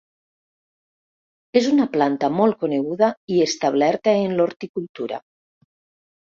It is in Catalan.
És una planta molt coneguda i establerta en l'horticultura.